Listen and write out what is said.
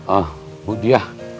ah bu diah